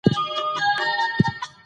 ماشومان په انګړ کې په منډو دي.